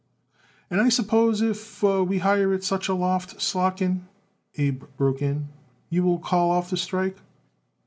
"And I suppose if we hire it such a loft, Slotkin," Abe broke in, "you will call off the strike."